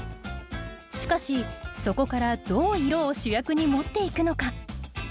しかしそこからどう色を主役に持っていくのか。